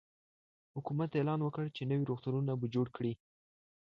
حکومت اعلان وکړ چی نوي روغتونونه به جوړ کړي.